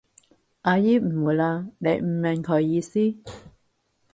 阿姨誤會喇，你唔明佢意思？